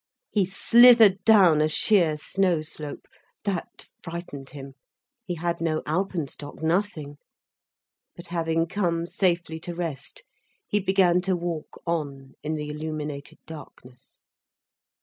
He slithered down a sheer snow slope. That frightened him. He had no alpenstock, nothing. But having come safely to rest, he began to walk on, in the illuminated darkness.